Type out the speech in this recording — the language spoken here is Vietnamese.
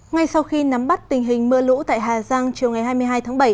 ngay sau khi nắm bắt tình hình mưa lũ tại hà giang chiều ngày hai mươi hai tháng bảy